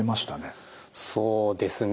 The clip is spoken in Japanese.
そうですね